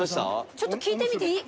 ちょっと聞いてみていい？